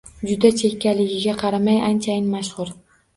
Juda chekkaligiga qaramay, anchayin mashhur